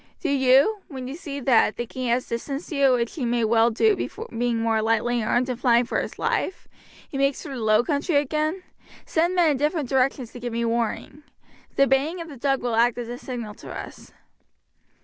Do you, when you see that, thinking he has distanced you, which he may well do being more lightly armed and flying for his life, he makes for the low country again, send men in different directions to give me warning. The baying of the dog will act as a signal to us."